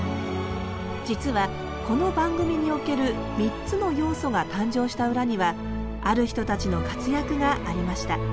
実はこの番組における３つの要素が誕生した裏にはある人たちの活躍がありました。